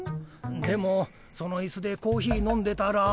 でもそのイスでコーヒー飲んでたら。